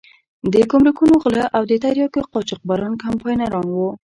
د ګمرکونو غله او د تریاکو قاچاقبران کمپاینران وو.